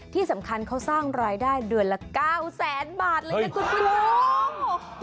ที่สำคัญเขาสร้างรายได้เดือนละ๙๐๐๐๐๐บาทเลยนะคุณพี่น้อง